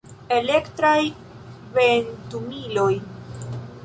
Elektraj ventumiloj.